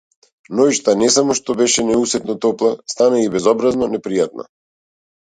Ноќта не само што беше неусетно топла, стана и безобразно непријатна.